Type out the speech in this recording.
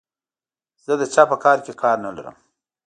زه د چا په کار کې کار نه لرم.